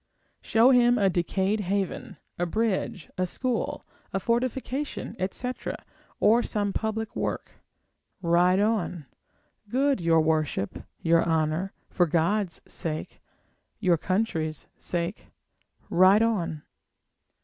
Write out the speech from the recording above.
Show him a decayed haven, a bridge, a school, a fortification, etc., or some public work, ride on; good your worship, your honour, for God's sake, your country's sake, ride on.